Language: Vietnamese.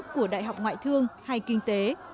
của đại học ngoại thương hay kinh tế